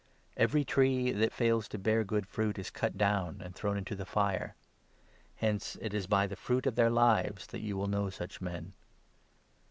Every tree that fails to bear good fruit is cut down and thrown into the fire. Hence it is by the fruit of their lives that you will know such men.